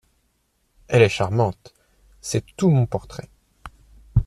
Elle est charmante… c’est tout mon portrait…